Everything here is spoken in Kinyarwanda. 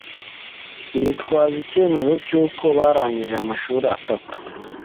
bitwaza icyemezo cy’uko barangije amashuri atatu